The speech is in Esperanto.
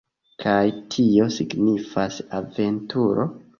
Kaj tio signifas aventuro!